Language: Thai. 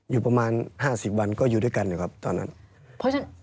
อยู่ประมาณห้าสิบวันก็อยู่ด้วยกันอยู่ครับตอนนั้นเพราะฉะนั้น